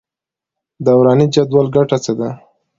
د دوراني جدول ګټه څه ده.